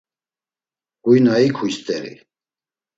Huy na ikuy st̆eri.